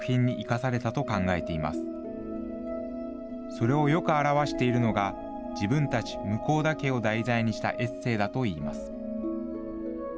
それをよく表しているのが、自分たち向田家を題材にしたエッセーだといいます。